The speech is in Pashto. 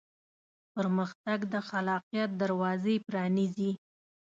پرمختګ د خلاقیت دروازې پرانیزي.